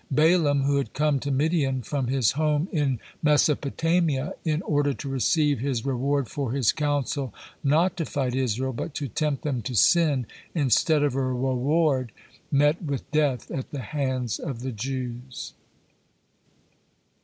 Balaam who had come to Midian from his home in Mesopotamia in order to receive his reward for his counsel not to fight Israel, but to tempt them to sin, instead of a reward, met with death at the hands of the Jews.